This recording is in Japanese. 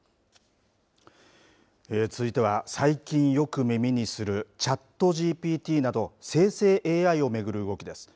続いては最近よく耳にするＣｈａｔＧＰＴなど生成ＡＩを巡る動きです。